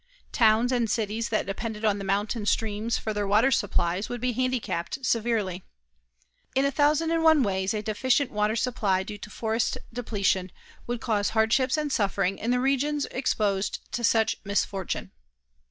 Towns and cities that depended on the mountain streams for their water supplies would be handicapped severely. In a thousand and one ways, a deficient water supply due to forest depletion would cause hardships and suffering in the regions exposed to such misfortune.